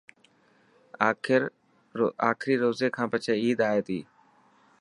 آخري روزي کان پڇي عيد آي تي